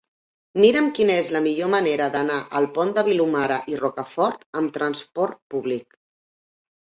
Mira'm quina és la millor manera d'anar al Pont de Vilomara i Rocafort amb trasport públic.